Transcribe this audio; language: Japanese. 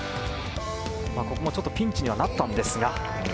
ここもピンチにはなったんですが。